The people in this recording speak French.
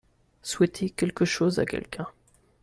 Souhaiter quelque chose à quelqu'un.